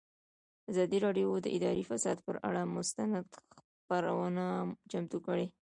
ازادي راډیو د اداري فساد پر اړه مستند خپرونه چمتو کړې.